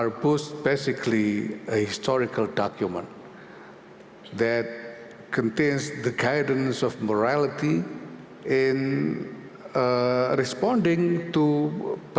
retno juga menyampaikan bahwa dia akan menjelaskan keberpihakan indonesia terhadap palestina "